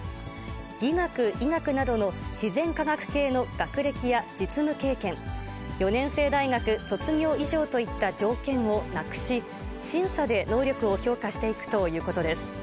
理学、医学などの自然科学系の学歴や実務経験、４年制大学卒業以上といった条件をなくし、審査で能力を評価していくということです。